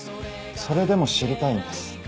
それでも知りたいんです